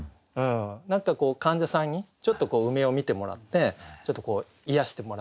何かこう患者さんにちょっと梅を見てもらってちょっと癒やしてもらいたいなみたいな。